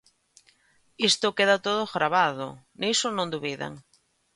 Isto queda todo gravado, niso non dubiden.